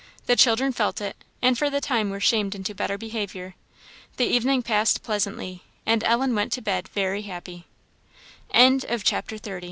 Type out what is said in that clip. The children felt it, and for the time were shamed into better behaviour. The evening passed pleasantly, and Ellen went to bed very happy. CHAPTER XXXI.